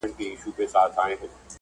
لکونه نور د وتلو لارې څارې